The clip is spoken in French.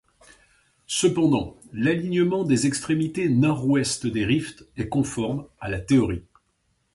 Cependant, l'alignement des extrémités nord-ouest des rifts est conforme à la théorie.